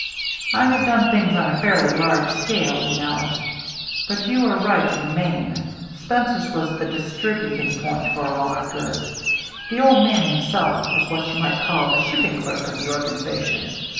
" I have done things on a fairly large scale, you know. But you are right in the main. Spencer's was the distributing point for all our goods. The old man himself was what you might call the shipping clerk of the organiza tion.